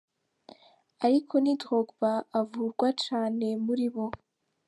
Ariko ni Drogba avurwa cane muri bo.